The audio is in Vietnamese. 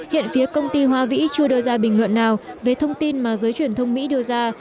hiện phía công ty hoa vĩ chưa đưa ra bình luận nào về thông tin mà giới truyền thông mỹ đưa ra